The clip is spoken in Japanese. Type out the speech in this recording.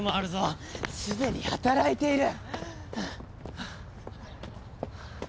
すでに働いている！